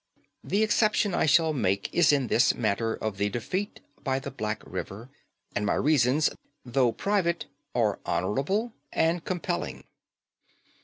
The exception I shall make is in this matter of the defeat by the Black River; and my reasons, though private, are honourable and compelling.